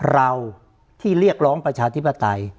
เราที่เรียกร้องประชาธิปไตย